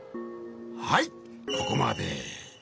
はいここまで。